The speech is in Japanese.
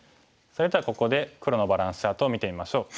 それではここで黒のバランスチャートを見てみましょう。